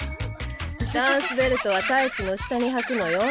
ダンスベルトはタイツの下にはくのよ。